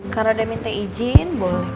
karena dia minta izin